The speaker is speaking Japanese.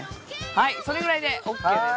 はいそれぐらいでＯＫです。